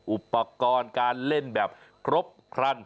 อุปกรณ์การเล่นแบบครบครัน